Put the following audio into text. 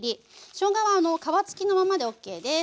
しょうがは皮付きのままでＯＫです。